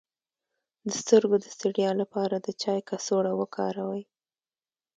د سترګو د ستړیا لپاره د چای کڅوړه وکاروئ